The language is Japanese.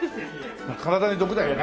体に毒だよね。